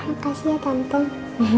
makasih ya tante